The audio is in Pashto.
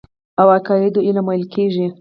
او عقيدو علم ويل کېږي.